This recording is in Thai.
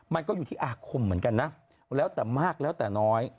มันก็อยู่ที่อาคมเหมือนกันนะแล้วแต่มากแล้วแต่น้อย